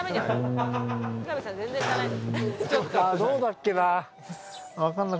あどうだっけな。